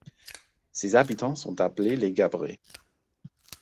Ses habitants sont appelés les Gabrais.